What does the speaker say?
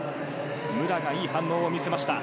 武良がいい反応を見せました。